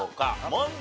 問題